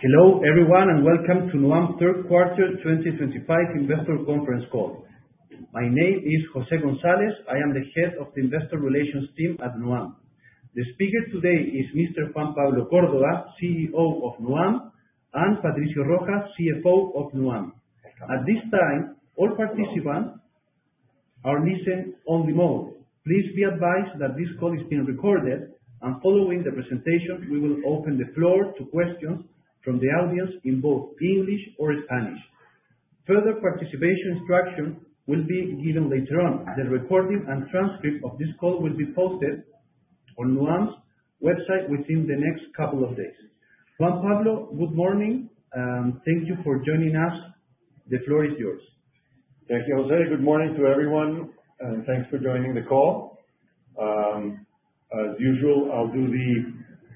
Hello everyone and welcome to Nuam's third quarter 2025 investor conference call. My name is Jose Gonzalez. I am the Head of the Investor Relations team at Nuam. The speaker today is Mr. Juan Pablo Córdoba, CEO of Nuam, and Patricio Rojas, CFO of Nuam. At this time, all participants are listen-only mode. Please be advised that this call is being recorded and following the presentation, we will open the floor to questions from the audience in both English or Spanish. Further participation instructions will be given later on. The recording and transcript of this call will be posted on Nuam's website within the next couple of days. Juan Pablo, good morning and thank you for joining us. The floor is yours. Thank you, Jose. Good morning to everyone and thanks for joining the call. As usual, I'll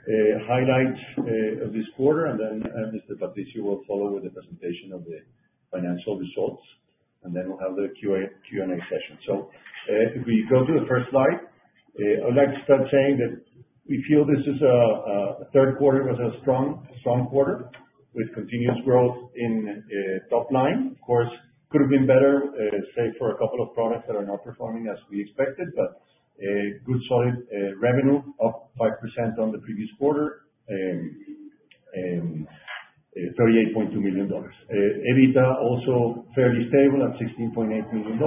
do the highlights of this quarter and then Mr. Patricio will follow with the presentation of the financial results, and then we'll have the Q&A session. If we go to the first slide. I'd like to start saying that we feel this third quarter was a strong quarter with continuous growth in top-line. Of course, could have been better, save for a couple of products that are not performing as we expected, but a good solid revenue up 5% on the previous quarter and CLP 38.2 million. EBITDA also fairly stable at 16.8 million,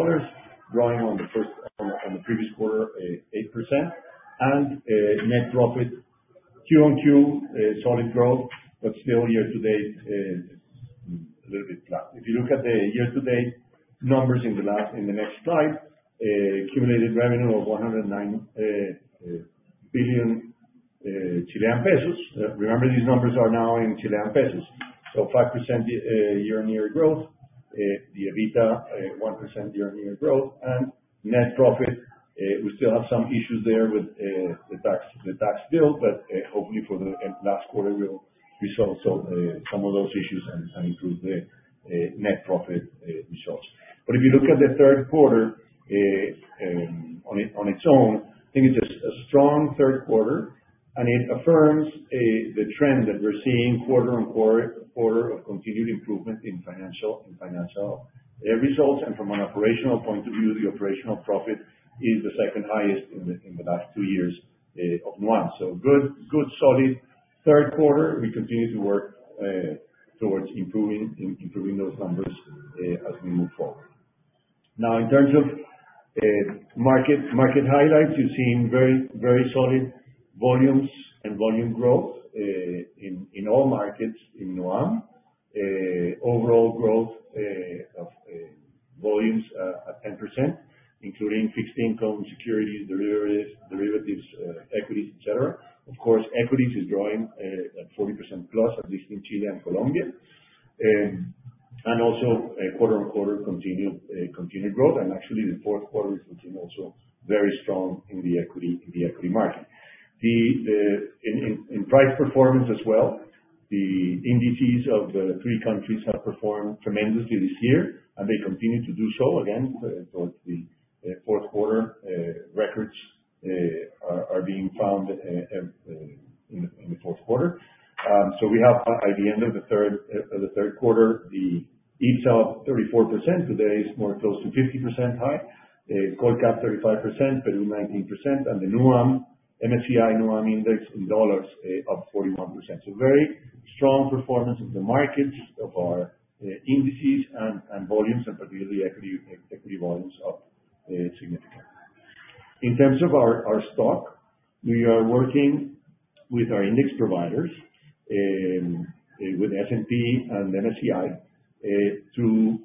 growing on the previous quarter, 8%. Net profit quarter-over-quarter, solid growth, but still year-to-date, a little bit flat. If you look at the year-to-date numbers in the next slide, accumulated revenue of 109 billion Chilean pesos. Remember, these numbers are now in Chilean pesos. 5% year-over-year growth. The EBITDA 1% year-over-year growth and net profit, we still have some issues there with the tax bill, but hopefully for the last quarter we'll resolve some of those issues and improve the net profit results. But if you look at the third quarter on its own, I think it's a strong third quarter and it affirms the trend that we're seeing quarter-over-quarter of continued improvement in financial results. From an operational point of view, the operational profit is the second highest in the last two years of Nuam. Good solid third quarter. We continue to work towards improving those numbers as we move forward. In terms of market highlights, you're seeing very solid volumes and volume growth in all markets in Nuam. Overall growth of volumes at 10%, including fixed income securities, derivatives, equities, et cetera. Of course, equities is growing at 40% plus, at least in Chile and Colombia. Also quarter-over-quarter continued growth and actually the fourth quarter is looking also very strong in the equity margin. In price performance as well, the indices of the three countries have performed tremendously this year and they continue to do so again towards the fourth quarter records are being found in the fourth quarter. We have by the end of the third quarter, the IPSA up 34%, today is more close to 50% high, COLCAP 35%, Peru 19%, and the MSCI Nuam Index in dollars up 41%. Very strong performance of the markets, of our indices and volumes and particularly equity volumes up significantly. In terms of our stock, we are working with our index providers with S&P and MSCI to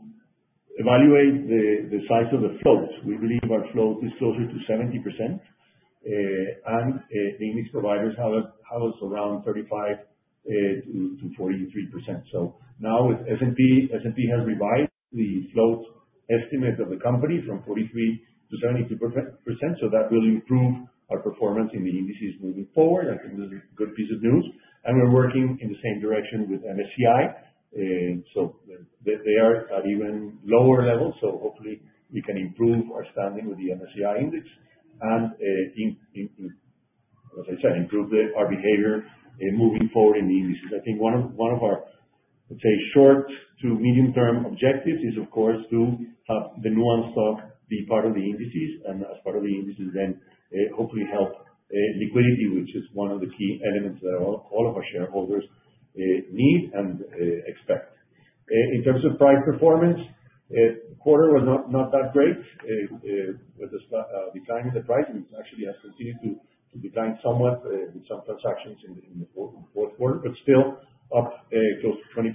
evaluate the size of the float. We believe our float is closer to 70%, and index providers have us around 35%-43%. Now S&P has revised the float estimate of the company from 43% to 70%, that will improve our performance in the indices moving forward. That's a good piece of news, and we're working in the same direction with MSCI. They are at even lower levels, hopefully we can improve our standing with the MSCI index and as I said, improve our behavior moving forward in the indices. I think one of our, let's say, short to medium term objectives is of course to have the nuam stock be part of the indices and as part of the indices then, hopefully help liquidity which is one of the key elements that all of our shareholders need and expect. In terms of price performance, quarter was not that great with the decline in the price. It actually has continued to decline somewhat with some transactions in the fourth quarter, but still up close to 20%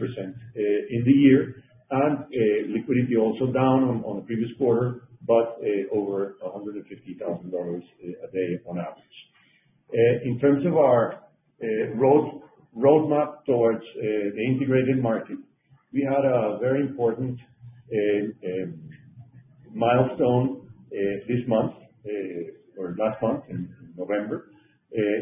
in the year. Liquidity also down on the previous quarter, but over CLP 150,000 a day on average. In terms of our roadmap towards the integrated market, we had a very important milestone this month, or last month in November,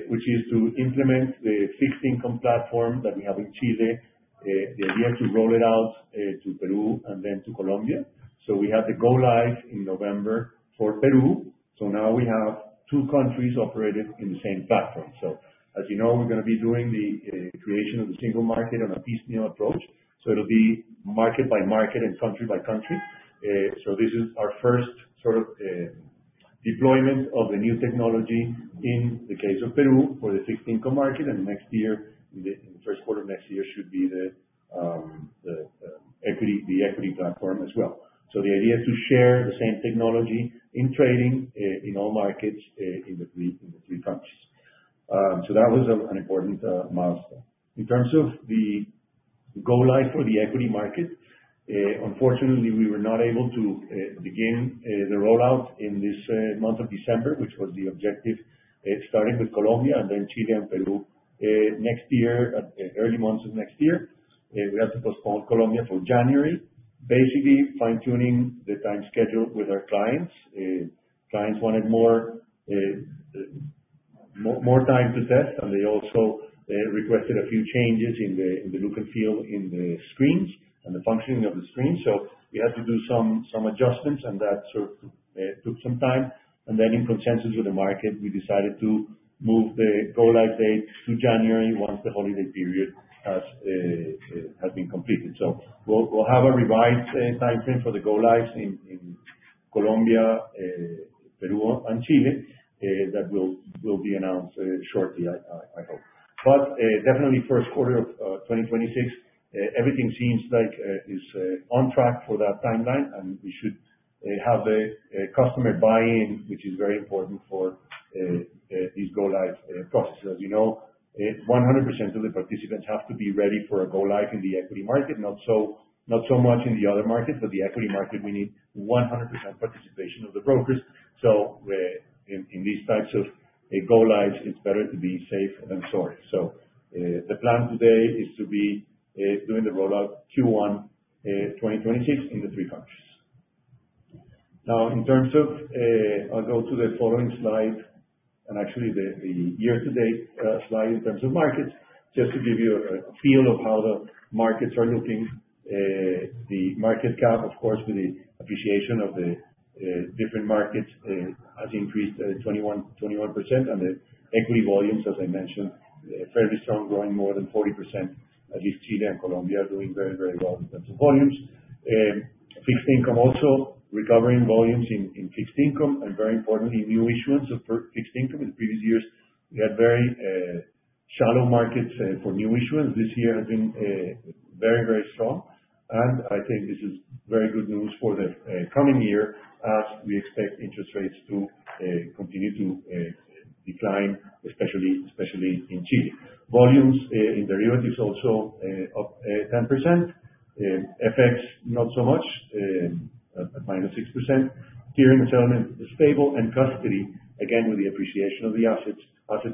which is to implement the fixed income platform that we have in Chile. The idea to roll it out to Peru and then to Colombia. We had the go-live in November for Peru. Now we have two countries operating in the same platform. As you know, we're going to be doing the creation of the single market on a piecemeal approach. It'll be market by market and country by country. This is our first sort of deployment of the new technology in the case of Peru for the fixed income market, and the next year, in the first quarter of next year should be the equity platform as well. The idea is to share the same technology in trading, in all markets, in the three countries. That was an important milestone. In terms of the go-live for the equity market. Unfortunately, we were not able to begin the rollout in this month of December, which was the objective. Starting with Colombia and then Chile and Peru next year, early months of next year. We had to postpone Colombia for January, basically fine-tuning the time schedule with our clients. Clients wanted more time to test, and they also requested a few changes in the look and feel in the screens and the functioning of the screen. We had to do some adjustments, and that sort of took some time. Then in consensus with the market, we decided to move the go-live date to January once the holiday period has been completed. We'll have a revised timeframe for the go-lives in Colombia, Peru, and Chile. That will be announced shortly, I hope. Definitely first quarter of 2026, everything seems like is on track for that timeline, and we should have a customer buy-in, which is very important for these go-live processes. As you know, 100% of the participants have to be ready for a go-live in the equity market. Not so much in the other markets, but the equity market, we need 100% participation of the brokers. In these types of go-lives, it's better to be safe than sorry. The plan today is to be doing the rollout Q1 2026 in the three countries. In terms of I'll go to the following slide and actually the year-to-date slide in terms of markets, just to give you a feel of how the markets are looking. The market cap, of course, with the appreciation of the different markets, has increased 21%. The equity volumes, as I mentioned, fairly strong, growing more than 40%, as is Chile and Colombia are doing very, very well in terms of volumes. Fixed income also recovering volumes in fixed income and very importantly, new issuance of fixed income. In previous years, we had very shallow markets for new issuance. This year has been very, very strong, and I think this is very good news for the coming year as we expect interest rates to continue to decline, especially in Chile. Volumes in derivatives also up 10%. FX, not so much, at -6%. Clearing and settlement is stable and custody, again with the appreciation of the assets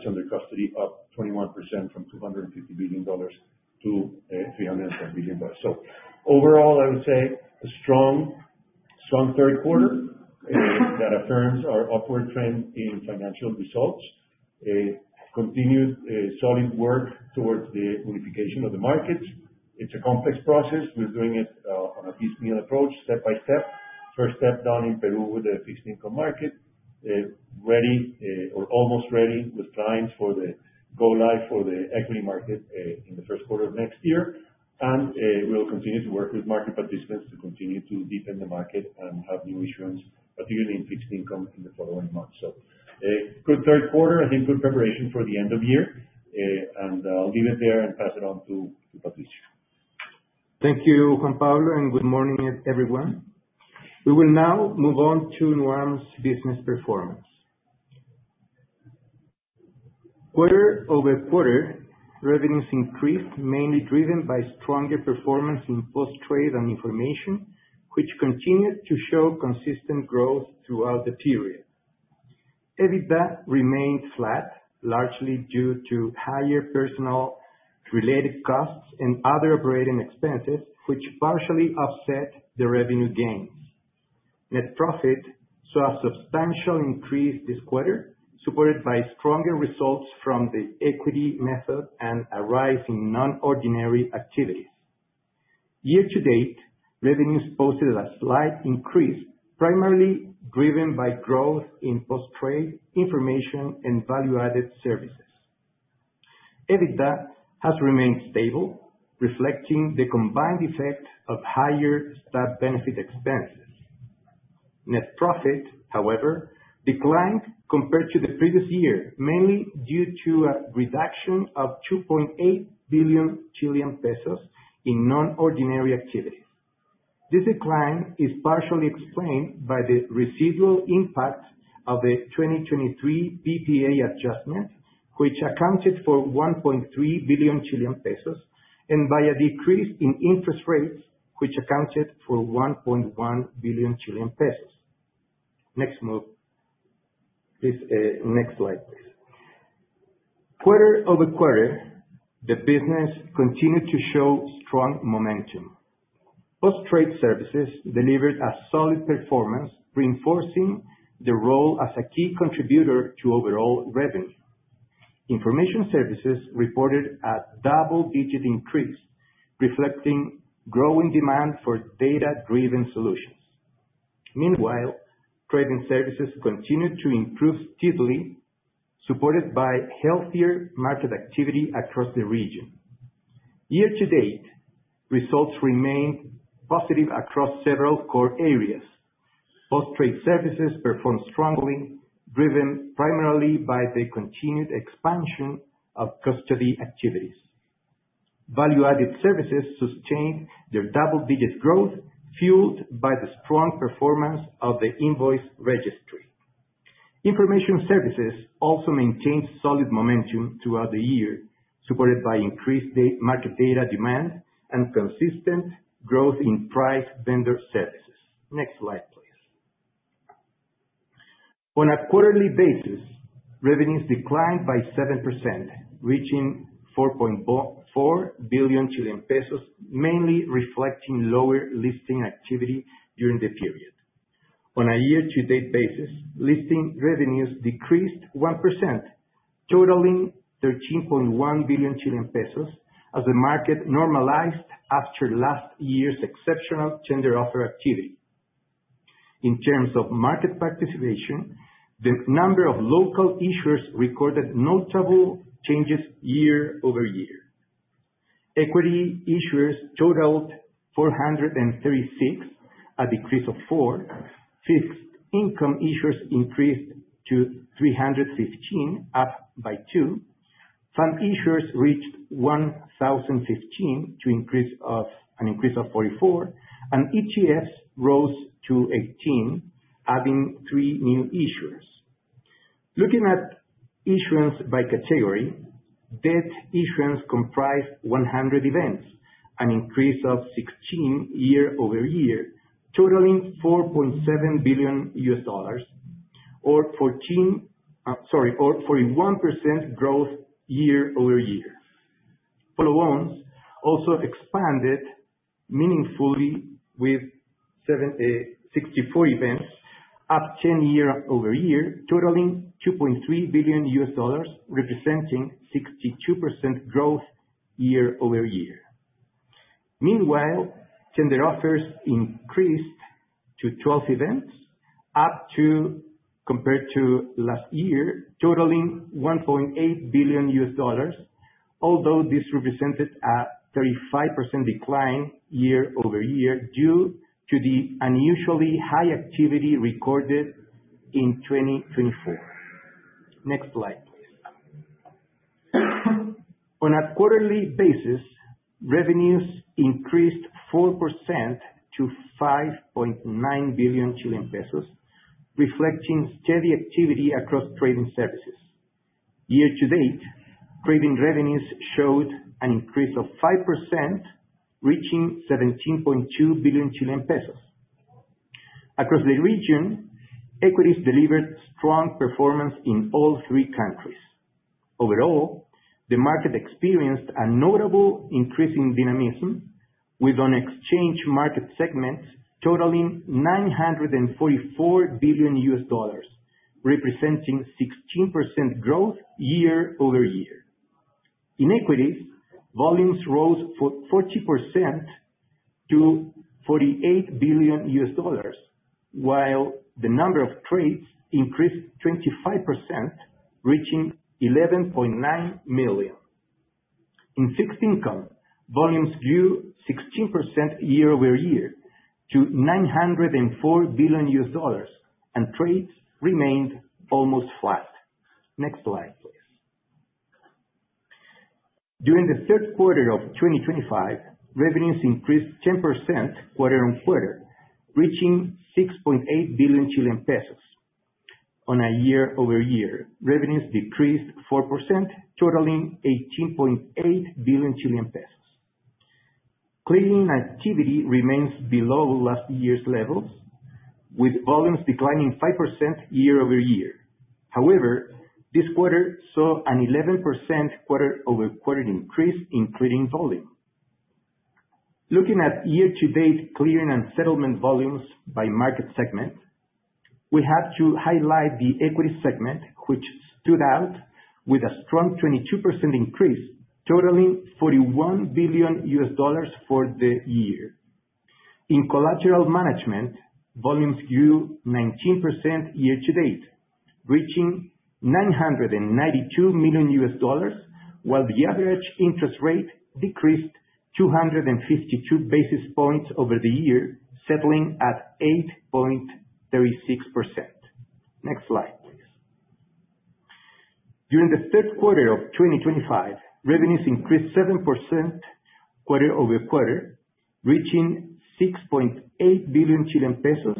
under custody, up 21% from CLP 250 billion to CLP 310 billion. Overall, I would say a strong third quarter that affirms our upward trend in financial results. Continued solid work towards the unification of the markets. It's a complex process. We're doing it on a piecemeal approach step by step. First step done in Peru with the fixed income market. Ready or almost ready with clients for the go-live for the equity market in the first quarter of next year. We'll continue to work with market participants to continue to deepen the market and have new issuance, particularly in fixed income in the following months. Good third quarter, I think good preparation for the end of the year. I'll leave it there and pass it on to Patricio. Thank you, Juan Pablo, and good morning, everyone. We will now move on to Nuam's business performance. Quarter-over-quarter revenues increased, mainly driven by stronger performance in post-trade and information, which continued to show consistent growth throughout the period. EBITDA remained flat, largely due to higher personal related costs and other operating expenses, which partially offset the revenue gains. Net profit saw a substantial increase this quarter, supported by stronger results from the equity method and a rise in non-ordinary activities. Year to date, revenues posted a slight increase, primarily driven by growth in post-trade information and value-added services. EBITDA has remained stable, reflecting the combined effect of higher staff benefit expenses. Net profit, however, declined compared to the previous year, mainly due to a reduction of 2.8 billion Chilean pesos in non-ordinary activities. This decline is partially explained by the residual impact of the 2023 PPA adjustment, which accounted for 1.3 billion Chilean pesos, and by a decrease in interest rates, which accounted for 1.1 billion Chilean pesos. Next slide, please. Quarter-over-quarter, the business continued to show strong momentum. Post-trade services delivered a solid performance, reinforcing the role as a key contributor to overall revenue. Information services reported a double-digit increase, reflecting growing demand for data-driven solutions. Meanwhile, trading services continued to improve steadily, supported by healthier market activity across the region. Year-to-date, results remain positive across several core areas. Post-trade services performed strongly, driven primarily by the continued expansion of custody activities. Value-added services sustained their double-digit growth, fueled by the strong performance of the invoice registry. Information services also maintained solid momentum throughout the year, supported by increased market data demand and consistent growth in price vendor services. Next slide, please. On a quarterly basis, revenues declined by 7%, reaching 4.4 billion Chilean pesos, mainly reflecting lower listing activity during the period. On a year-to-date basis, listing revenues decreased 1%, totaling 13.1 billion Chilean pesos as the market normalized after last year's exceptional tender offer activity. In terms of market participation, the number of local issuers recorded notable changes year-over-year. Equity issuers totaled 436, a decrease of four. Fixed income issuers increased to 315, up by two. Fund issuers reached 1,015, an increase of 44, and ETFs rose to 18, adding three new issuers. Looking at issuance by category, debt issuance comprised 100 events, an increase of 16 year-over-year, totaling $4.7 billion, or 41% growth year-over-year. Follow-ons also expanded meaningfully with 64 events, up 10 year-over-year, totaling $2.3 billion, representing 62% growth year-over-year. Meanwhile, tender offers increased to 12 events, compared to last year, totaling $1.8 billion. Although this represented a 35% decline year-over-year due to the unusually high activity recorded in 2024. Next slide, please. On a quarterly basis, revenues increased 4% to 5.9 billion Chilean pesos, reflecting steady activity across trading services. Year-to-date, trading revenues showed an increase of 5%, reaching 17.2 billion Chilean pesos. Across the region, equities delivered strong performance in all three countries. Overall, the market experienced a notable increase in dynamism, with an exchange market segment totaling $944 billion, representing 16% growth year-over-year. In equities, volumes rose 40% to $48 billion, while the number of trades increased 25%, reaching 11.9 million. In fixed income, volumes grew 16% year-over-year to $904 billion, and trades remained almost flat. Next slide, please. During the third quarter of 2025, revenues increased 10% quarter-on-quarter, reaching CLP 6.8 billion. On a year-over-year, revenues decreased 4%, totaling 18.8 billion Chilean pesos. Clearing activity remains below last year's levels, with volumes declining 5% year-over-year. However, this quarter saw an 11% quarter-over-quarter increase in clearing volume. Looking at year-to-date clearing and settlement volumes by market segment, we have to highlight the equity segment, which stood out with a strong 22% increase, totaling $41 billion for the year. In collateral management, volumes grew 19% year-to-date, reaching $992 million, while the average interest rate decreased 252 basis points over the year, settling at 8.36%. Next slide, please. During the third quarter of 2025, revenues increased 7% quarter-over-quarter, reaching 6.8 billion Chilean pesos,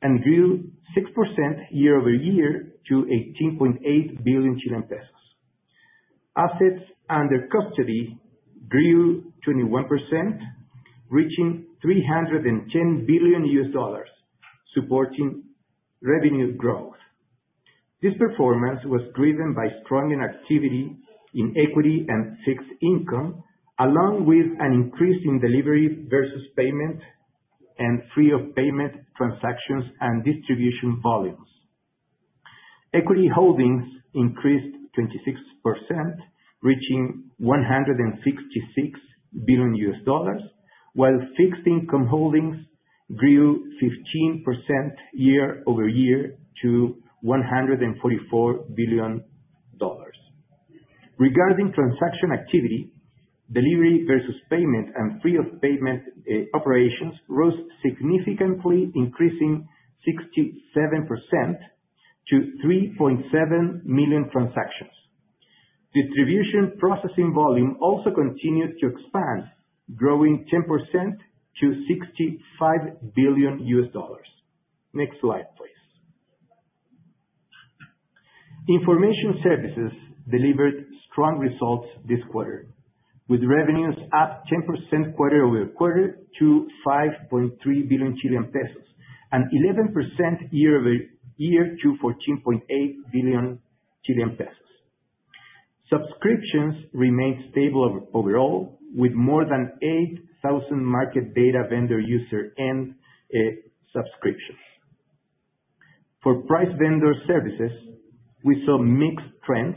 and grew 6% year-over-year to 18.8 billion Chilean pesos. Assets under custody grew 21%, reaching $310 billion, supporting revenue growth. This performance was driven by strong activity in equity and fixed income, along with an increase in delivery versus payment and free-of-payment transactions and distribution volumes. Equity holdings increased 26%, reaching $166 billion, while fixed income holdings grew 15% year-over-year to $144 billion. Regarding transaction activity, delivery versus payment and free of payment operations rose significantly, increasing 67% to 3.7 million transactions. Distribution processing volume also continued to expand, growing 10% to $65 billion. Next slide, please. Information services delivered strong results this quarter, with revenues up 10% quarter-over-quarter to 5.3 billion Chilean pesos and 11% year-over-year to 14.8 billion Chilean pesos. Subscriptions remained stable overall, with more than 8,000 market data vendor user end subscriptions. For price vendor services, we saw mixed trends.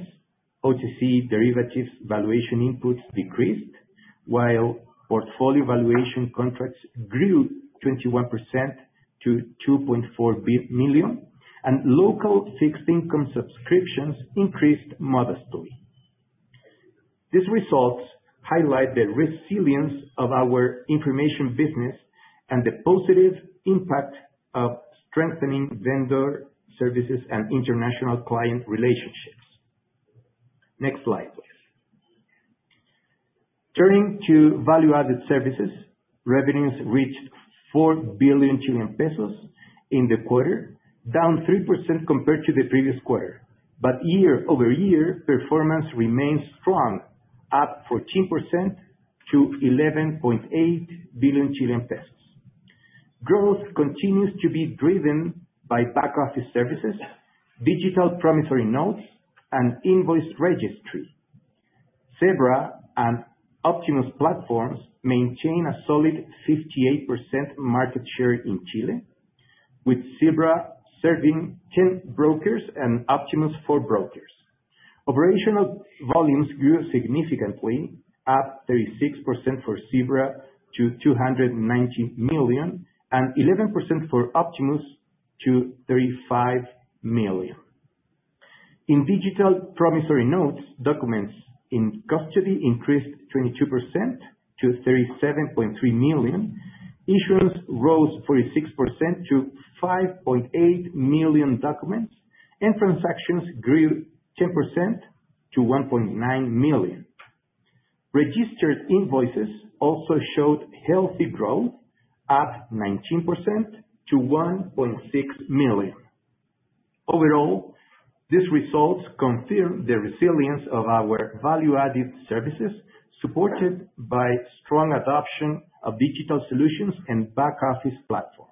OTC derivatives valuation inputs decreased, while portfolio valuation contracts grew 21% to 2.4 million, and local fixed income subscriptions increased modestly. These results highlight the resilience of our information business and the positive impact of strengthening vendor services and international client relationships. Next slide, please. Turning to value-added services, revenues reached 4 billion Chilean pesos in the quarter, down 3% compared to the previous quarter. Year-over-year performance remains strong, up 14% to 11.8 billion Chilean pesos. Growth continues to be driven by back-office services, digital promissory notes, and invoice registry. Sebra and Optimus platforms maintain a solid 58% market share in Chile, with Sebra serving 10 brokers and Optimus four brokers. Operational volumes grew significantly, up 36% for Sebra to 290 million, and 11% for Optimus to 35 million. In digital promissory notes, documents in custody increased 22% to 37.3 million. Issuance rose 46% to 5.8 million documents, and transactions grew 10% to 1.9 million. Registered invoices also showed healthy growth, up 19% to 1.6 million. Overall, these results confirm the resilience of our value-added services, supported by strong adoption of digital solutions and back-office platforms.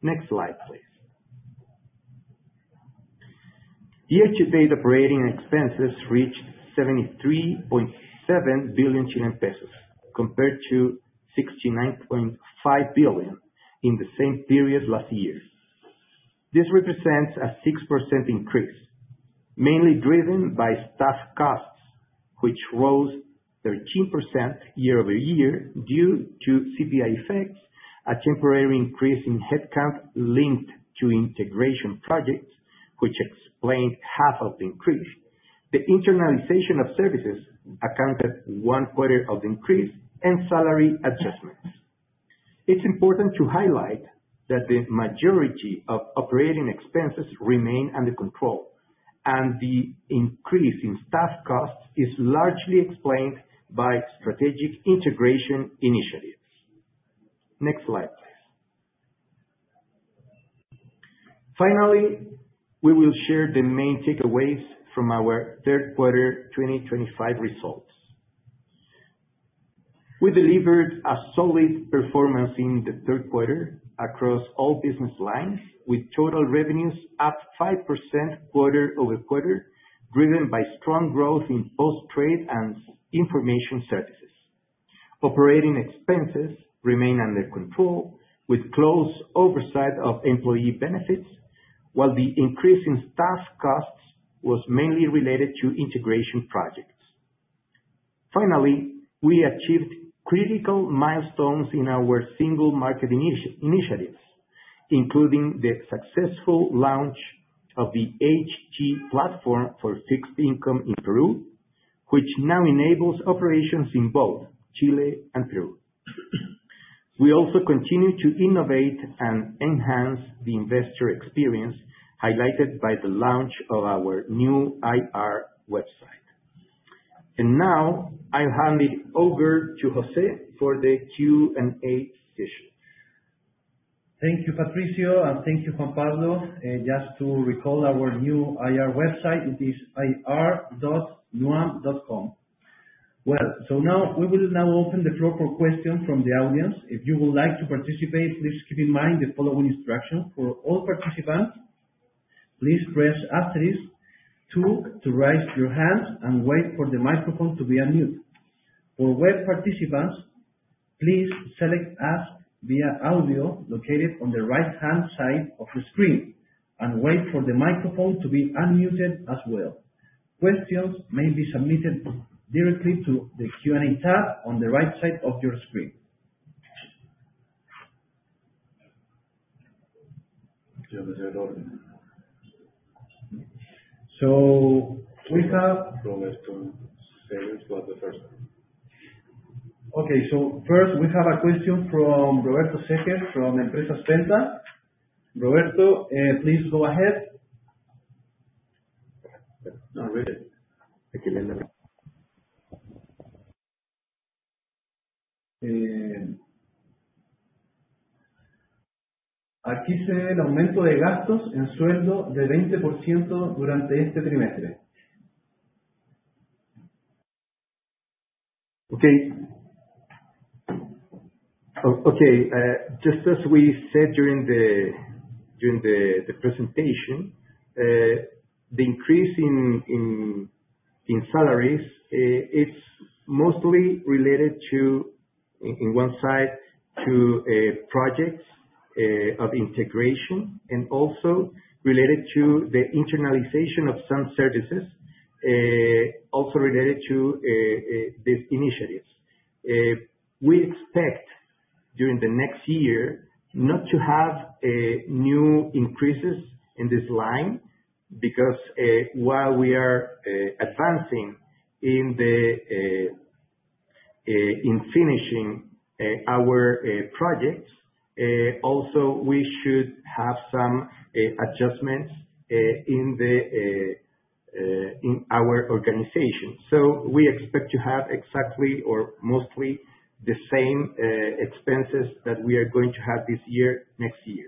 Next slide, please. The adjusted operating expenses reached 73.7 billion Chilean pesos compared to 69.5 billion in the same period last year. This represents a 6% increase, mainly driven by staff costs, which rose 13% year-over-year due to CPI effects, a temporary increase in headcount linked to integration projects, which explained half of the increase. The internalization of services accounted one quarter of the increase in salary adjustments. It's important to highlight that the majority of operating expenses remain under control, and the increase in staff costs is largely explained by strategic integration initiatives. Next slide, please. Finally, we will share the main takeaways from our third quarter 2025 results. We delivered a solid performance in the third quarter across all business lines, with total revenues up 5% quarter-over-quarter, driven by strong growth in both trade and information services. Operating expenses remain under control with close oversight of employee benefits, while the increase in staff costs was mainly related to integration projects. Finally, we achieved critical milestones in our single market initiatives, including the successful launch of the HT platform for fixed income in Peru, which now enables operations in both Chile and Peru. We also continue to innovate and enhance the investor experience, highlighted by the launch of our new IR website. Now I'll hand it over to Jose for the Q&A session. Thank you, Patricio, and thank you, Juan Pablo. Just to recall our new IR website, it is ir.nuam.com. Now we will open the floor for questions from the audience. If you would like to participate, please keep in mind the following instructions. For all participants, please press asterisk two to raise your hand and wait for the microphone to be unmuted. For web participants, please select "Ask via audio" located on the right-hand side of the screen and wait for the microphone to be unmuted as well. Questions may be submitted directly to the Q&A tab on the right side of your screen. We have Roberto Segers was the first. First, we have a question from Roberto Segers from Empresa Centra. Roberto, please go ahead. No, wait. Just as we said during the presentation, the increase in salaries, it's mostly related to, in one side, projects of integration and also related to the internalization of some services, also related to these initiatives. We expect during the next year not to have new increases in this line, because, while we are advancing in finishing our projects, also we should have some adjustments in our organization. We expect to have exactly or mostly the same expenses that we are going to have this year, next year.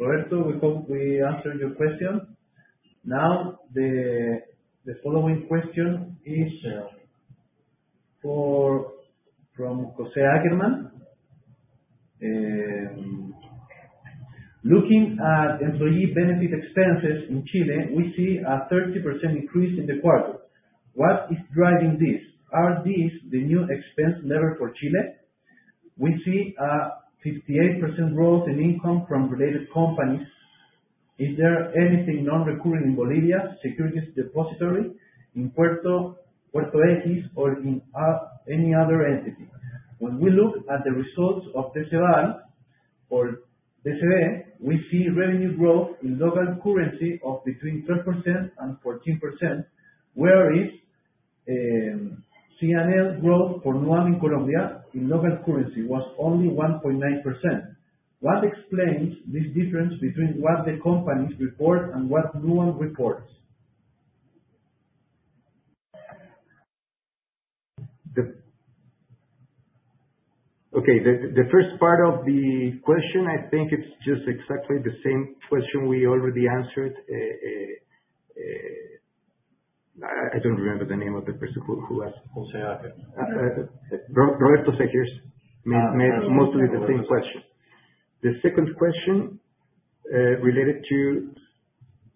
Roberto, we hope we answered your question. Now, the following question is from José Ackermann. "Looking at employee benefit expenses in Chile, we see a 30% increase in the quarter. What is driving this? Are these the new expense level for Chile? We see a 58% growth in income from related companies. Is there anything non-recurring in Bolivian Securities Depository, in Puerto Asis, or in any other entity? When we look at the results of Deceval or DCV, we see revenue growth in local currency of between 3% and 14%, whereas CNL growth for Nuam in Colombia in local currency was only 1.9%. What explains this difference between what the companies report and what Nuam reports?" The first part of the question, I think it's just exactly the same question we already answered. I don't remember the name of the person who asked. José Ackermann. Roberto Segers made mostly the same question. The second question, related to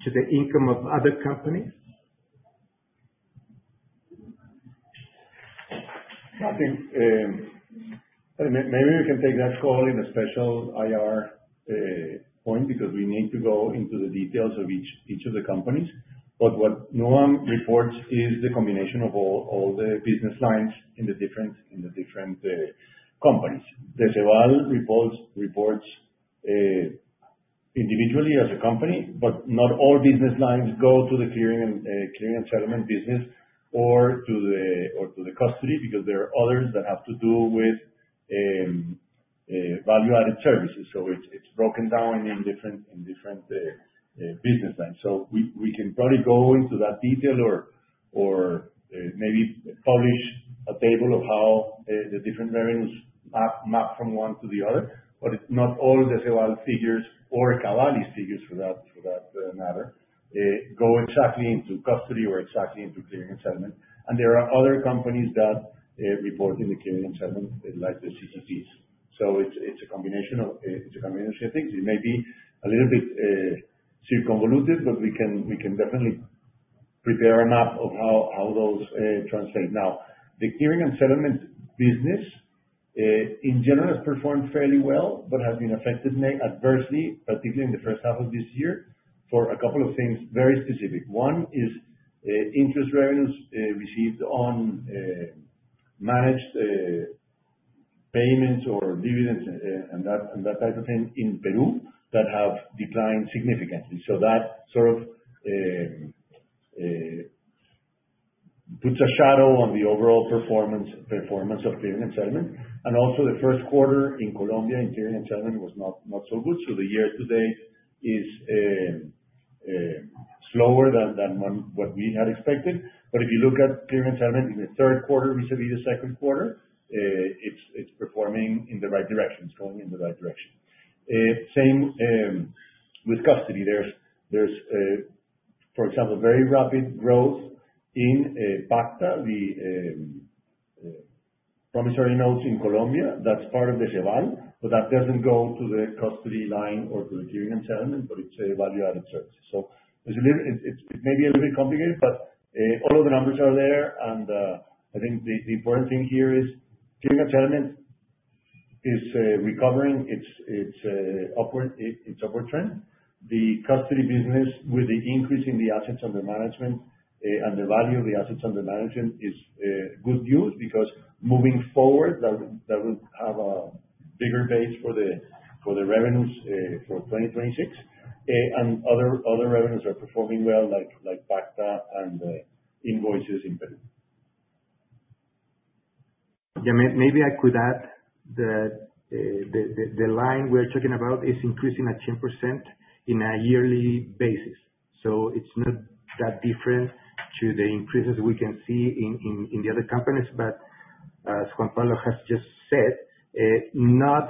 the income of other companies. I think, maybe we can take that call in a special IR point, because we need to go into the details of each of the companies. What Nuam reports is the combination of all the business lines in the different companies. Deceval reports individually as a company, but not all business lines go to the clearing and settlement business or to the custody, because there are others that have to do with value-added services. It's broken down in different business lines. We can probably go into that detail or maybe publish a table of how the different variants map from one to the other. It's not all Deceval figures or Cavali figures for that matter, go exactly into custody or exactly into clearing and settlement. There are other companies that report in the clearing and settlement, like the CCPs. It's a combination of things. It may be a little bit too convoluted, we can definitely prepare a map of how those translate. Now, the clearing and settlement business, in general, has performed fairly well but has been affected adversely, particularly in the first half of this year, for a couple of things, very specific. One is interest revenues received on managed payments or dividends and that type of thing in Peru that have declined significantly. That sort of puts a shadow on the overall performance of clearing and settlement. Also the first quarter in Colombia in clearing and settlement was not so good. The year today is slower than what we had expected. If you look at clearing and settlement in the third quarter vis-à-vis the second quarter, it's performing in the right direction. It's going in the right direction. Same with custody. There's, for example, very rapid growth in Pacta, the promissory notes in Colombia that's part of the CVAN, but that doesn't go to the custody line or to the clearing and settlement, but it's a value-added service. It may be a little bit complicated, but all of the numbers are there, and I think the important thing here is clearing and settlement is recovering its upward trend. The custody business, with the increase in the assets under management and the value of the assets under management, is good news because moving forward, that will have a bigger base for the revenues for 2026. Other revenues are performing well, like Pacta and invoices in Peru. Maybe I could add that the line we're talking about is increasing at 10% in a yearly basis. It's not that different to the increases we can see in the other companies. As Juan Pablo has just said, not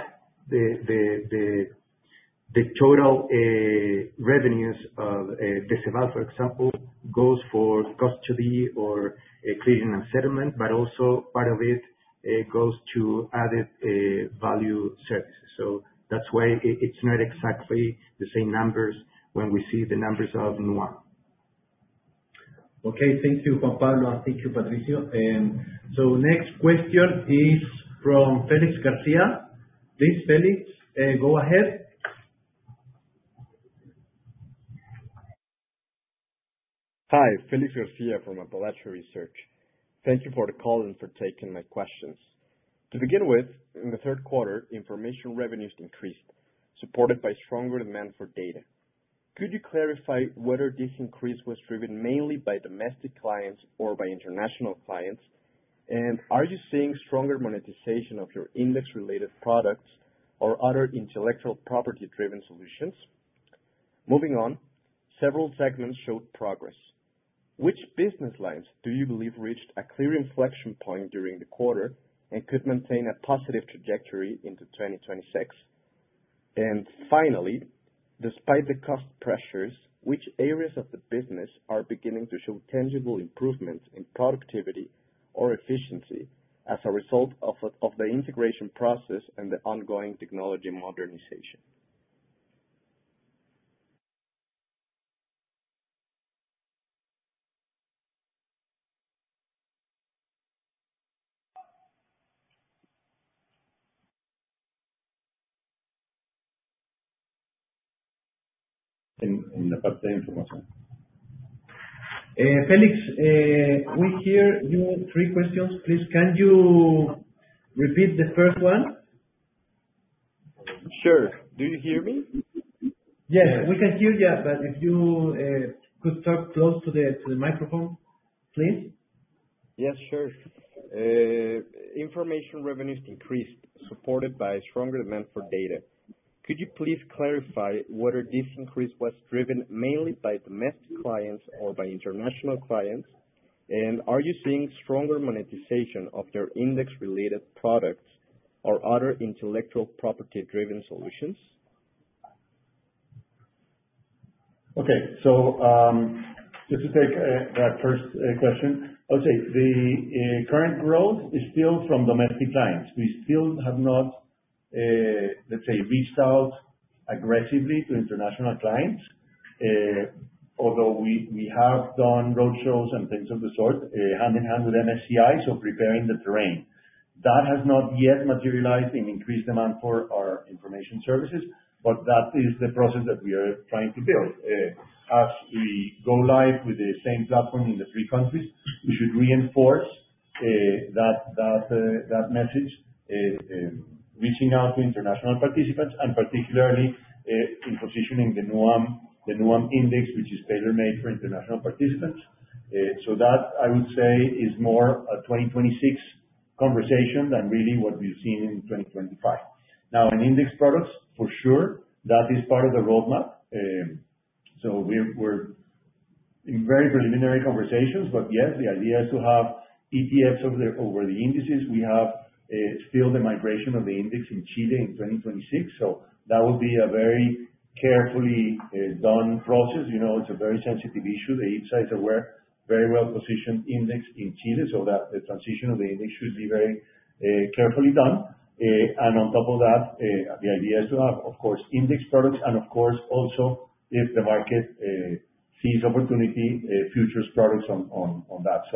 the total revenues of the CVAN, for example, goes for custody or clearing and settlement, but also part of it goes to added value services. That's why it's not exactly the same numbers when we see the numbers of nuam. Okay. Thank you, Juan Pablo, and thank you, Patricio. Next question is from Felipe Garcia. Please, Felipe, go ahead. Hi, Felipe Garcia from Appalachia Research. Thank you for the call and for taking my questions. To begin with, in the third quarter, information revenues increased, supported by stronger demand for data. Could you clarify whether this increase was driven mainly by domestic clients or by international clients? Are you seeing stronger monetization of your index-related products or other intellectual property-driven solutions? Moving on, several segments showed progress. Which business lines do you believe reached a clear inflection point during the quarter and could maintain a positive trajectory into 2026? Finally, despite the cost pressures, which areas of the business are beginning to show tangible improvements in productivity or efficiency as a result of the integration process and the ongoing technology modernization? In the part information. Felix, we hear you three questions. Please, can you repeat the first one? Sure. Do you hear me? Yes, we can hear you, but if you could talk close to the microphone, please. Yes, sure. Information revenues increased, supported by stronger demand for data. Could you please clarify whether this increase was driven mainly by domestic clients or by international clients? Are you seeing stronger monetization of their index-related products or other intellectual property-driven solutions? Okay. Just to take that first question. I would say the current growth is still from domestic clients. We still have not, let's say, resold aggressively to international clients. Although we have done road shows and things of the sort, hand in hand with MSCI, so preparing the terrain. That has not yet materialized in increased demand for our information services, but that is the process that we are trying to build. As we go live with the same platform in the three countries, we should reinforce that message, reaching out to international participants, and particularly in positioning the Nuam Index, which is tailor-made for international participants. That, I would say, is more a 2026 conversation than really what we've seen in 2025. Now, in index products, for sure, that is part of the roadmap. We're in very preliminary conversations, but yes, the idea is to have ETFs over the indices. We have still the migration of the index in Chile in 2026. That will be a very carefully done process. It's a very sensitive issue. The index is a very well-positioned index in Chile, so the transition of the index should be very carefully done. On top of that, the idea is to have, of course, index products and of course also, if the market sees opportunity, futures products on that.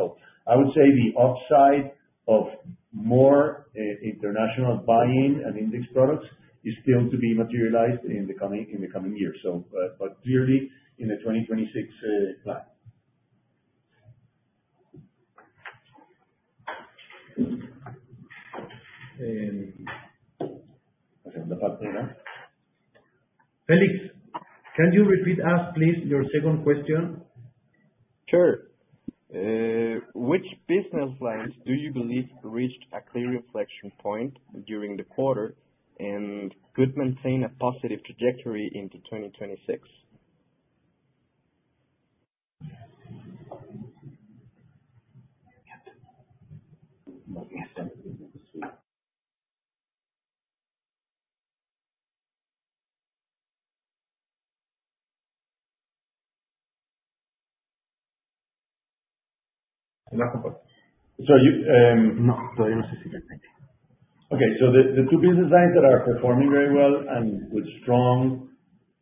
I would say the upside of more international buying and index products is still to be materialized in the coming year. Clearly in the 2026 plan. Felix, can you repeat us, please, your second question? Sure. Which business lines do you believe reached a clear inflection point during the quarter and could maintain a positive trajectory into 2026? So you, um- No. Okay. The two business lines that are performing very well and with strong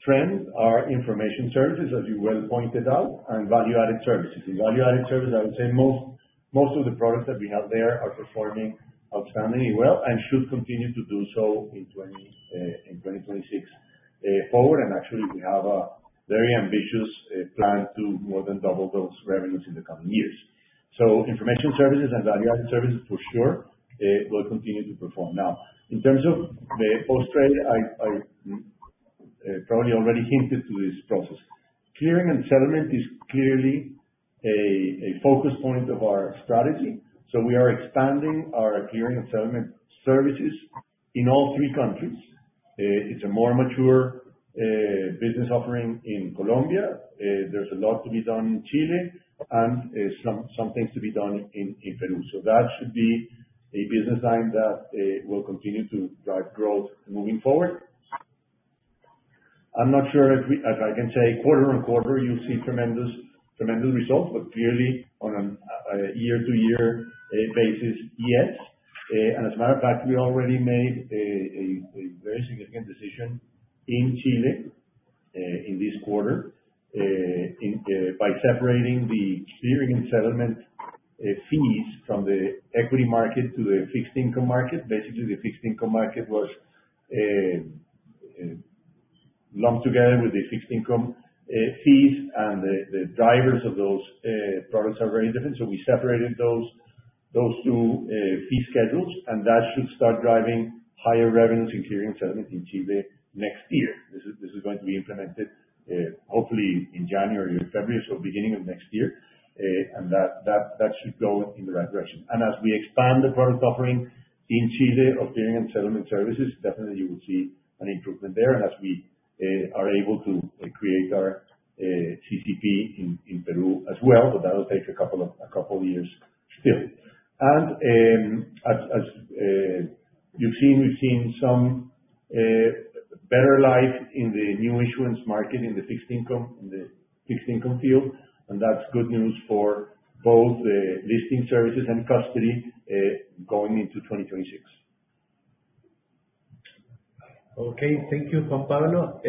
trends are information services, as you well pointed out, and value-added services. In value-added services, I would say most of the products that we have there are performing outstanding well and should continue to do so in 2026 forward. Actually, we have a very ambitious plan to more than double those revenues in the coming years. Information services and value-added services for sure, will continue to perform. Now, in terms of the post trade, I probably already hinted to this process. Clearing and settlement is clearly a focus point of our strategy. We are expanding our clearing and settlement services in all three countries. It's a more mature business offering in Colombia. There's a lot to be done in Chile and some things to be done in Peru. That should be a business line that will continue to drive growth moving forward. I'm not sure if I can say quarter-on-quarter you'll see tremendous results, but clearly on a year-to-year basis, yes. As a matter of fact, we already made a very significant decision in Chile, in this quarter, by separating the clearing and settlement fees from the equity market to the fixed income market. Basically, the fixed income market was lumped together with the fixed income fees and the drivers of those products are very different. We separated those two fee schedules, and that should start driving higher revenues in clearing and settlement in Chile next year. This is going to be implemented hopefully in January or February, so beginning of next year. That should go in the right direction. As we expand the product offering in Chile of clearing and settlement services, definitely you will see an improvement there. As we are able to create our CCP in Peru as well, but that will take a couple of years still. As you've seen, we've seen some better light in the new issuance market, in the fixed income field, and that's good news for both the listing services and custody, going into 2026. Okay. Thank you, Juan Pablo.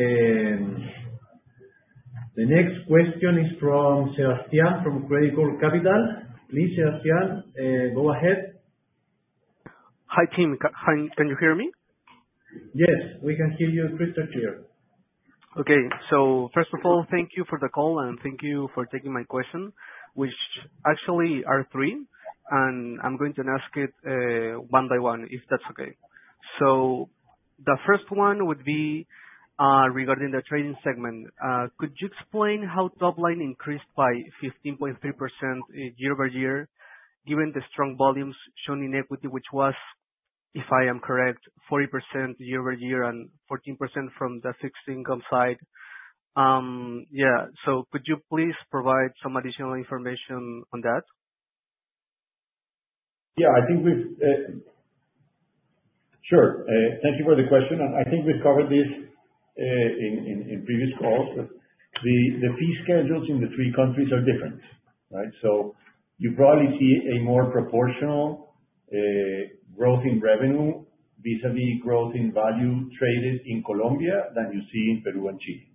The next question is from Sebastián from Credicorp Capital. Please, Sebastián, go ahead. Hi, team. Can you hear me? Yes, we can hear you crystal clear. First of all, thank you for the call, and thank you for taking my question, which actually are three, and I'm going to ask it one by one, if that's okay. The first one would be regarding the trading segment. Could you explain how top line increased by 15.3% year-over-year, given the strong volumes shown in equity, which was, if I am correct, 40% year-over-year and 14% from the fixed income side? Yeah. Could you please provide some additional information on that? Sure. Thank you for the question. I think we've covered this in previous calls. The fee schedules in the three countries are different, right? You probably see a more proportional growth in revenue vis-à-vis growth in value traded in Colombia than you see in Peru and Chile.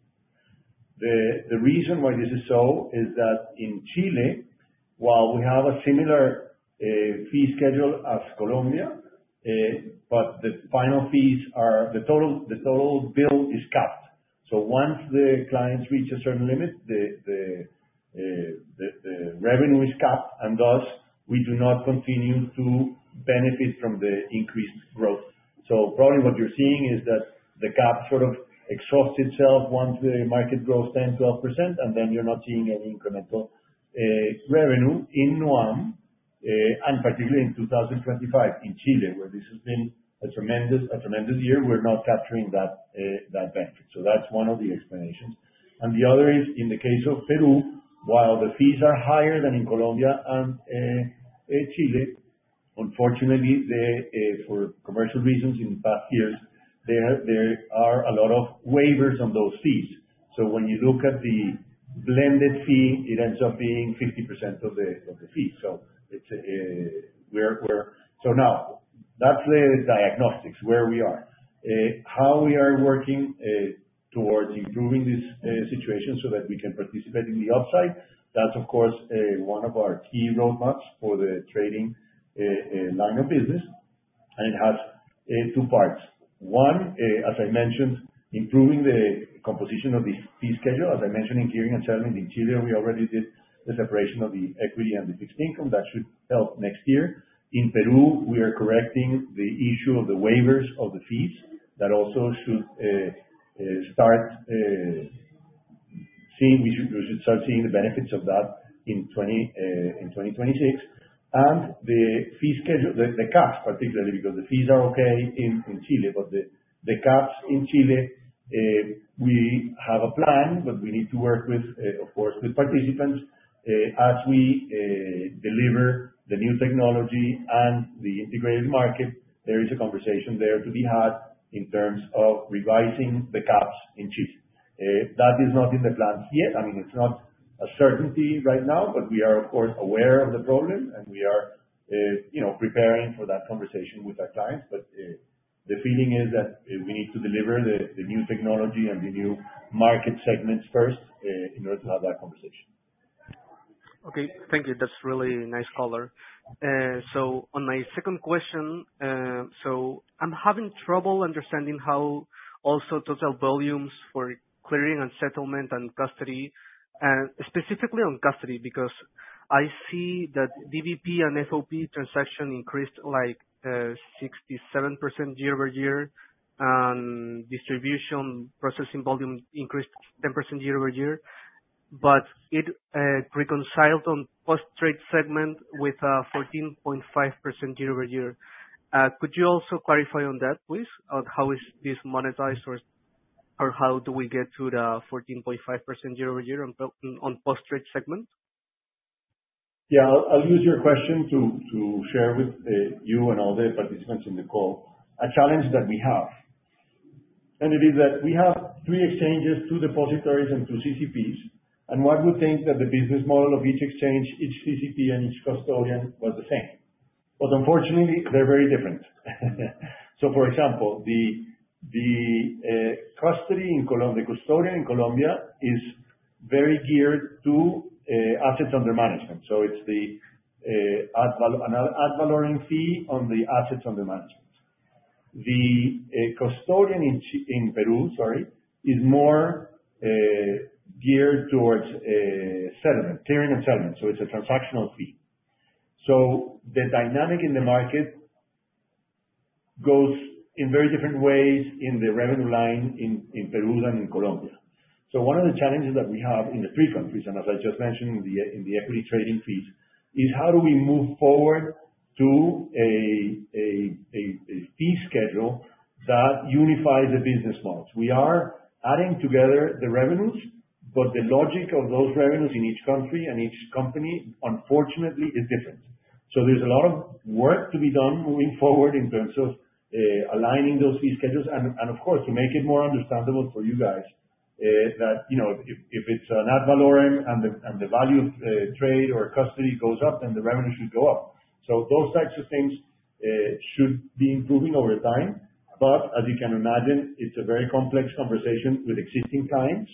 The reason why this is so is that in Chile, while we have a similar fee schedule as Colombia, the final fees are the total bill is capped. Once the clients reach a certain limit, the revenue is capped, and thus, we do not continue to benefit from the increased growth. Probably what you're seeing is that the cap sort of exhausts itself once the market grows 10, 12%, you're not seeing any incremental revenue in Nuam, and particularly in 2025 in Chile, where this has been a tremendous year, we're not capturing that benefit. That's one of the explanations. The other is in the case of Peru, while the fees are higher than in Colombia and Chile, unfortunately, for commercial reasons in past years, there are a lot of waivers on those fees. When you look at the blended fee, it ends up being 50% of the fee. Now that's the diagnostics, where we are. How we are working towards improving this situation so that we can participate in the upside, that's of course, one of our key roadmaps for the trading line of business, and it has two parts. One, as I mentioned, improving the composition of the fee schedule. As I mentioned in clearing and settlement in Chile, we already did the separation of the equity and the fixed income. That should help next year. In Peru, we are correcting the issue of the waivers of the fees. That also should start seeing the benefits of that in 2026. The fee schedule, the caps particularly, because the fees are okay in Chile, the caps in Chile, we have a plan, we need to work with, of course, the participants. As we deliver the new technology and the integrated market, there is a conversation there to be had in terms of revising the caps in Chile. That is not in the plans yet. I mean, it's not a certainty right now, but we are, of course, aware of the problem, and we are preparing for that conversation with our clients. The feeling is that we need to deliver the new technology and the new market segments first in order to have that conversation. Okay. Thank you. That's really nice color. On my second question, I'm having trouble understanding how also total volumes for clearing and settlement and custody, and specifically on custody, because I see that DVP and FOP transaction increased like 67% year-over-year, and distribution processing volume increased 10% year-over-year. It reconciled on post-trade segment with a 14.5% year-over-year. Could you also clarify on that, please? On how is this monetized or how do we get to the 14.5% year-over-year on post-trade segment? Yeah. I'll use your question to share with you and all the participants in the call a challenge that we have. It is that we have three exchanges, two depositories, and two CCPs. One would think that the business model of each exchange, each CCP, and each custodian was the same. Unfortunately, they're very different. For example, the custodian in Colombia is very geared to assets under management. It's the ad valorem fee on the assets under management. The custodian in Peru is more geared towards settlement, clearing and settlement. It's a transactional fee. The dynamic in the market goes in very different ways in the revenue line in Peru than in Colombia. One of the challenges that we have in the three countries, and as I just mentioned in the equity trading fees, is how do we move forward to a fee schedule that unifies the business models. We are adding together the revenues, but the logic of those revenues in each country and each company, unfortunately, is different. There's a lot of work to be done moving forward in terms of aligning those fee schedules and, of course, to make it more understandable for you guys. That if it's an ad valorem and the value of trade or custody goes up, the revenue should go up. Those types of things should be improving over time. As you can imagine, it's a very complex conversation with existing clients.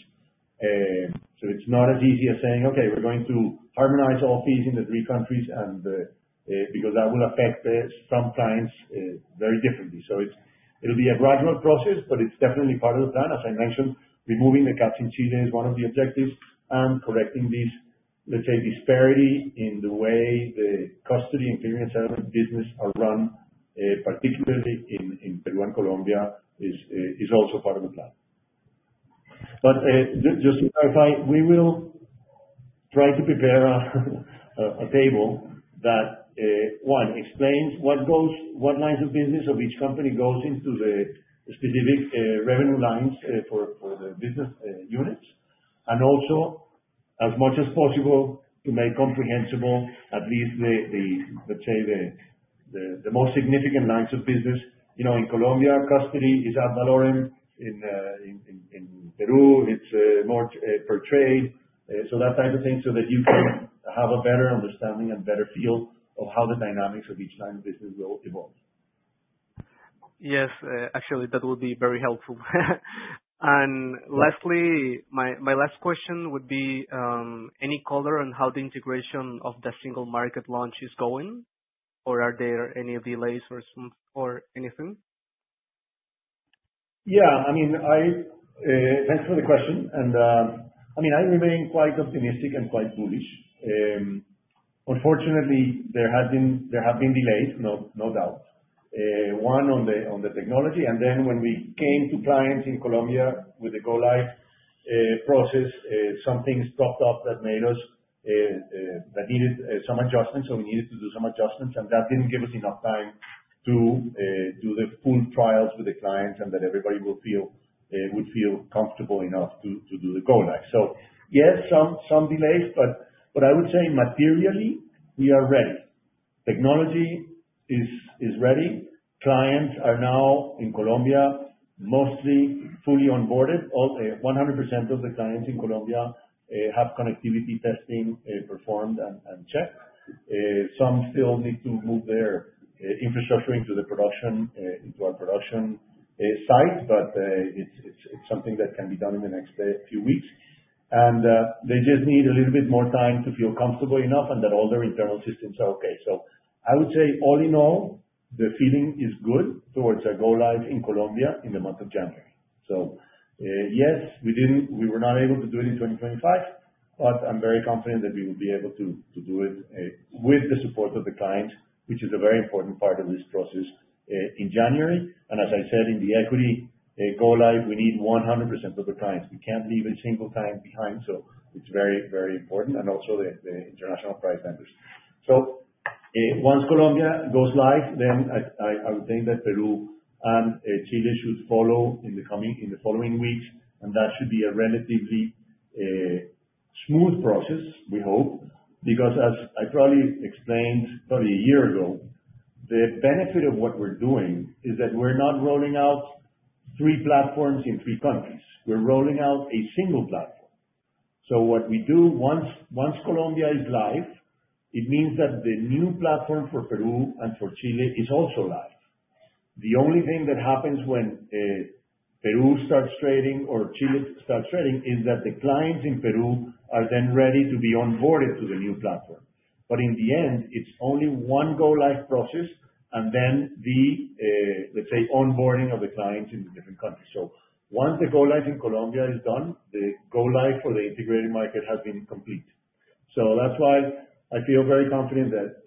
It's not as easy as saying, "Okay, we're going to harmonize all fees in the three countries," because that will affect some clients very differently. It will be a gradual process, but it's definitely part of the plan. As I mentioned, removing the caps in Chile is one of the objectives, and correcting this, let's say, disparity in the way the custody and clearing and settlement business are run, particularly in Peru and Colombia, is also part of the plan. Just to clarify, we will try to prepare a table that, one, explains what lines of business of each company goes into the specific revenue lines for the business units, and also, as much as possible, to make comprehensible at least the, let's say, the most significant lines of business. In Colombia, custody is ad valorem. In Peru, it's more per trade. That type of thing, so that you can have a better understanding and better feel of how the dynamics of each line of business will evolve. Yes. Actually, that would be very helpful. Lastly, my last question would be, any color on how the integration of the single market launch is going? Are there any delays or anything? Yeah. Thanks for the question. I remain quite optimistic and quite bullish. Unfortunately, there have been delays, no doubt. One on the technology, then when we came to clients in Colombia with the go-live process, some things popped up that needed some adjustments, we needed to do some adjustments. That didn't give us enough time to do the full trials with the clients and that everybody would feel comfortable enough to do the go-live. Yes, some delays, but I would say materially, we are ready. Technology is ready. Clients are now in Colombia, mostly fully onboarded. 100% of the clients in Colombia have connectivity testing performed and checked. Some still need to move their infrastructure into our production site. It's something that can be done in the next few weeks. They just need a little bit more time to feel comfortable enough, that all their internal systems are okay. I would say all in all, the feeling is good towards our go-live in Colombia in the month of January. Yes, we were not able to do it in 2025. I'm very confident that we will be able to do it with the support of the clients, which is a very important part of this process in January. As I said, in the equity go live, we need 100% of the clients. We can't leave a single client behind. It's very important, also the international price vendors. Once Colombia goes live, I would think that Peru and Chile should follow in the following weeks, that should be a relatively smooth process, we hope, because as I probably explained probably a year ago, the benefit of what we're doing is that we're not rolling out three platforms in three countries. We're rolling out a single platform. What we do once Colombia is live, it means that the new platform for Peru and for Chile is also live. The only thing that happens when Peru starts trading or Chile starts trading is that the clients in Peru are then ready to be onboarded to the new platform. In the end, it's only one go live process, then the, let's say, onboarding of the clients in the different countries. Once the go live in Colombia is done, the go live for the integrated market has been complete. That's why I feel very confident that,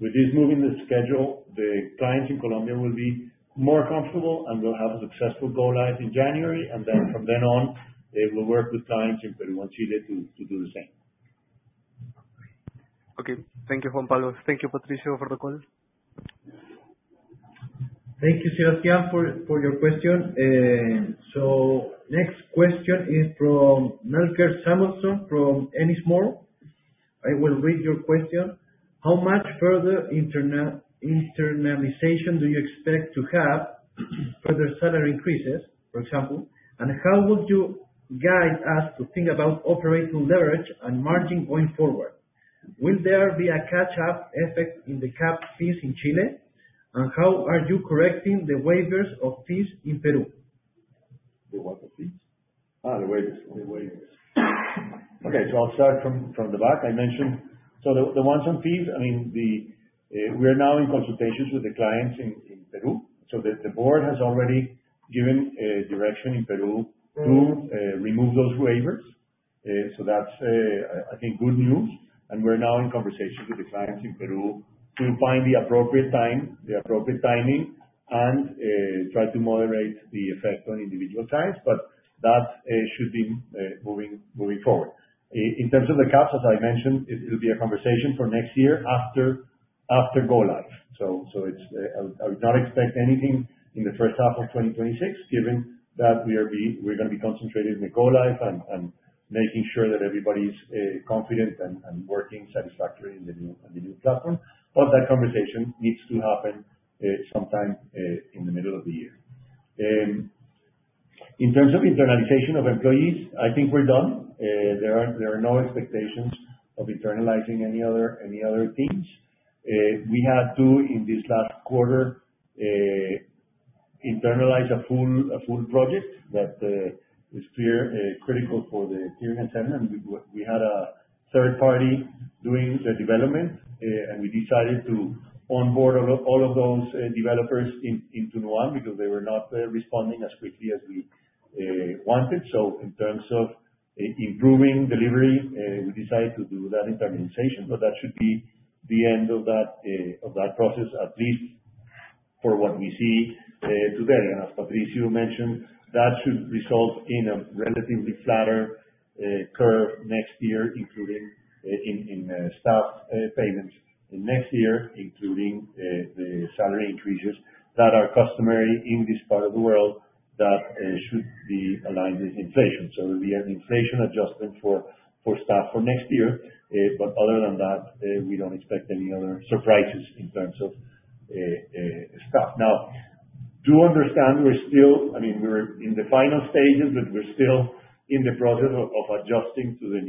with this move in the schedule, the clients in Colombia will be more comfortable and will have a successful go live in January, then from then on, they will work with clients in Peru and Chile to do the same. Okay. Thank you, Juan Pablo. Thank you, Patricio, for the call. Thank you, Sébastien, for your question. Next question is from Nelka Samson from Ennismore. I will read your question. How much further internationalization do you expect to have further salary increases, for example? How would you guide us to think about operational leverage and margin going forward? Will there be a catch up effect in the cap fees in Chile? How are you correcting the waivers of fees in Peru? The what of fees? The waivers. The waivers. I'll start from the back. I mentioned, the ones on fees, we're now in consultations with the clients in Peru. The board has already given direction in Peru to remove those waivers. That's, I think, good news. We're now in conversation with the clients in Peru to find the appropriate time, the appropriate timing, and try to moderate the effect on individual clients. That should be moving forward. In terms of the caps, as I mentioned, it'll be a conversation for next year after go live. I would not expect anything in the first half of 2026, given that we're going to be concentrated in the go live and making sure that everybody's confident and working satisfactory on the new platform. That conversation needs to happen sometime in the middle of the year. In terms of internalization of employees, I think we're done. There are no expectations of internalizing any other teams. We had to, in this last quarter, internalize a full project that is critical for the clearing house. We had a third party doing the development, and we decided to onboard all of those developers into Nuam because they were not responding as quickly as we wanted. In terms of improving delivery, we decided to do that internalization. That should be the end of that process, at least for what we see today. As Patricio mentioned, that should result in a relatively flatter curve next year, including in staff payments in next year, including the salary increases that are customary in this part of the world that should be aligned with inflation. There will be an inflation adjustment for staff for next year. Other than that, we don't expect any other surprises in terms of staff. Now, do understand, we're in the final stages, but we're still in the process of adjusting to the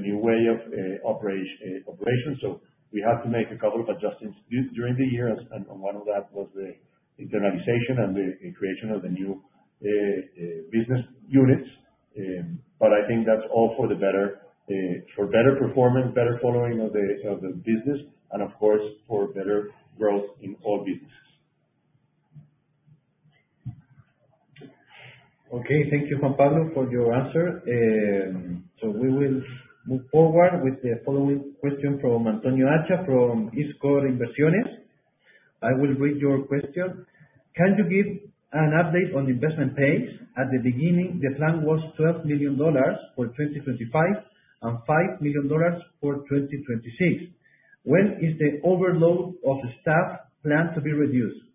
new way of operation. We have to make a couple of adjustments during the year, and one of that was the internalization and the creation of the new business units. I think that's all for the better, for better performance, better following of the business, and of course, for better growth in all businesses. Okay. Thank you, Juan Pablo, for your answer. We will move forward with the following question from Antonio Acha from BTG Pactual. I will read your question. Can you give an update on the investment pace? At the beginning, the plan was CLP 12 million for 2025 and CLP 5 million for 2026. When is the overload of the staff planned to be reduced?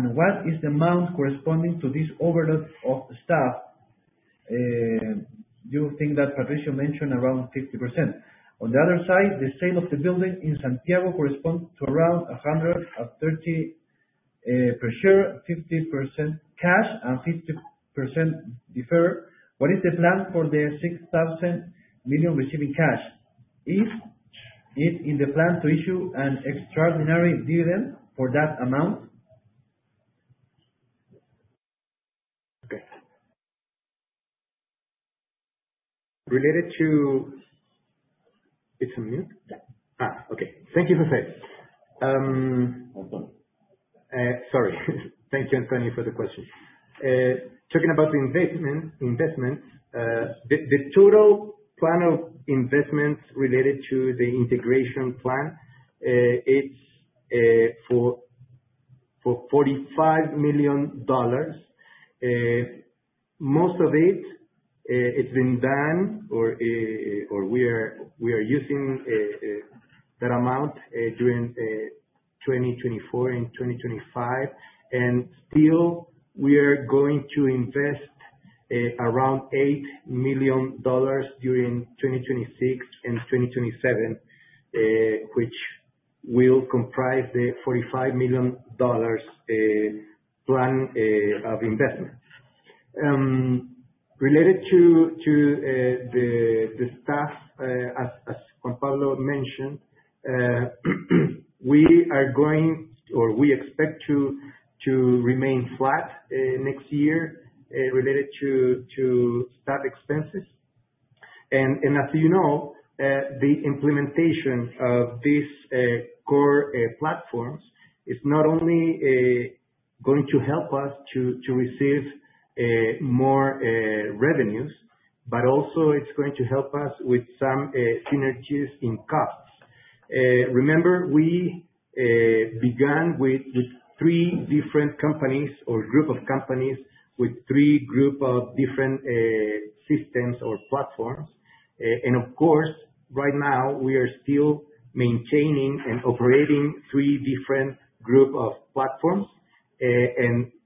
What is the amount corresponding to this overload of staff? Do you think that Patricio mentioned around 50%? On the other side, the sale of the building in Santiago corresponds to around 130, per share, 50% cash and 50% deferred. What is the plan for the 6 billion receiving cash? Is it in the plan to issue an extraordinary dividend for that amount? Okay. It's on mute? Yeah. Okay. Thank you, José. Antonio. Sorry. Thank you, Antonio, for the question. Talking about the investments, the total plan of investments related to the integration plan, it's for CLP 45 million. Most of it has been done, or we are using that amount during 2024 and 2025. Still, we are going to invest around CLP 8 million during 2026 and 2027, which will comprise the CLP 45 million plan of investments. Related to the staff, as Juan Pablo Córdoba mentioned, we are going, or we expect to remain flat next year, related to staff expenses. As you know, the implementation of these core platforms is not only going to help us to receive more revenues, but also it's going to help us with some synergies in costs. Remember, we began with three different companies or group of companies with three group of different systems or platforms. Of course, right now we are still maintaining and operating three different group of platforms.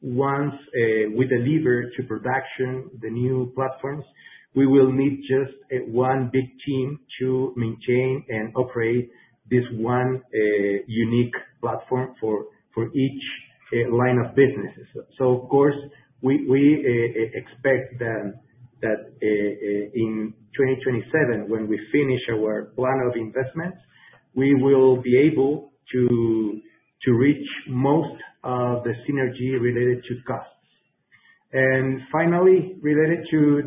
Once we deliver to production the new platforms, we will need just one big team to maintain and operate this one unique platform for each line of businesses. Of course, we expect that in 2027, when we finish our plan of investments, we will be able to reach most of the synergy related to costs. Finally, related to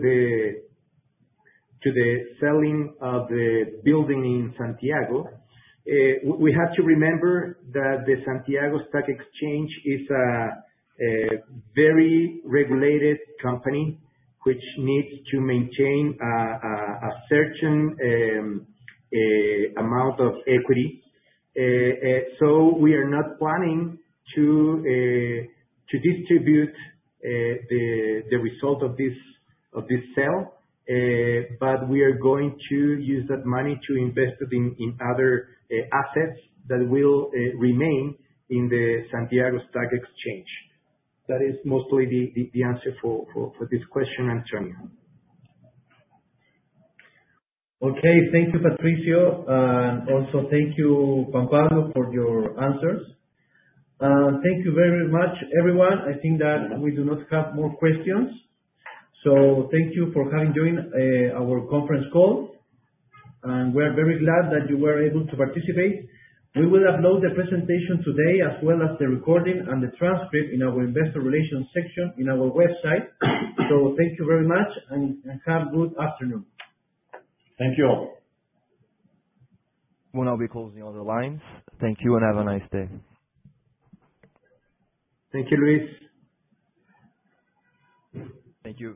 the selling of the building in Santiago, we have to remember that the Santiago Stock Exchange is a very regulated company which needs to maintain a certain amount of equity. We are not planning to distribute the result of this sale, but we are going to use that money to invest it in other assets that will remain in the Santiago Stock Exchange. That is mostly the answer for this question, Antonio. Okay. Thank you, Patricio. Thank you, Juan Pablo, for your answers. Thank you very much, everyone. I think that we do not have more questions, so thank you for having joined our conference call, and we are very glad that you were able to participate. We will upload the presentation today as well as the recording and the transcript in our investor relations section in our website. Thank you very much and have a good afternoon. Thank you all. We'll now be closing all the lines. Thank you and have a nice day. Thank you, Luis. Thank you.